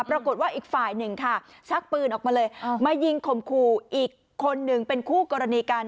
ปรากฏว่าอีกฝ่ายหนึ่งค่ะชักปืนออกมาเลยมายิงข่มขู่อีกคนหนึ่งเป็นคู่กรณีกัน